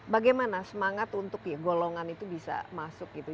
bagaimana semangat untuk ya golongan itu bisa masuk gitu